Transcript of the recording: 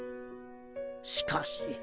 しかしみ